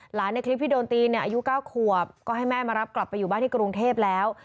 ในคลิปที่โดนตีเนี่ยอายุ๙ขวบก็ให้แม่มารับกลับไปอยู่บ้านที่กรุงเทพแล้ว